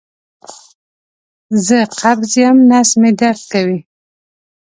زه قبض یم نس مې درد کوي